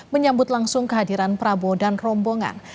menyambut langsung kehadiran prabowo dan rombongan